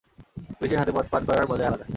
পুলিশের হাতে মদ পান করার মজাই আলাদা।